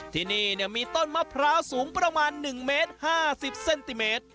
ที่นี่มีต้นมะพร้าวสูงประมาณ๑เมตร๕๐เซนติเมตร